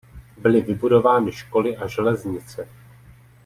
Byly vybudovány školy a železnice.